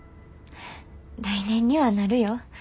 来年にはなるよ。